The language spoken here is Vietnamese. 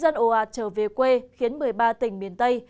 dân ồ ạt trở về quê khiến một mươi ba tỉnh miền tây